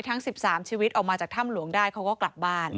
ทั้ง๑๓ชีวิตออกมาจากถ้ำหลวงได้เขาก็กลับบ้าน